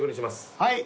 はい。